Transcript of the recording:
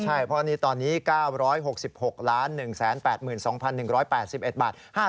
ใช่เพราะตอนนี้๙๖๖๑๘๒๑๘๑บาท